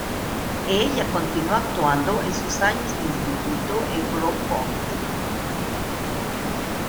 Ella continuó actuando en sus años de instituto en Brooke Point.